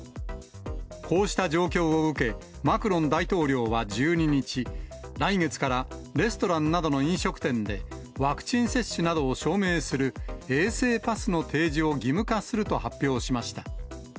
こうした状況を受け、マクロン大統領は１２日、来月からレストランなどの飲食店で、ワクチン接種などを証明する衛生パスの提示を義務化すると発表しました。